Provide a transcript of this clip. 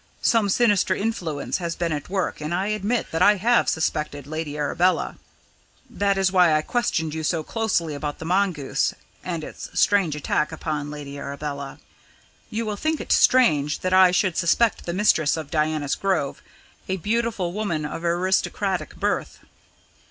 Some sinister influence has been at work, and I admit that I have suspected Lady Arabella that is why I questioned you so closely about the mongoose and its strange attack upon Lady Arabella. You will think it strange that I should suspect the mistress of Diana's Grove, a beautiful woman of aristocratic birth.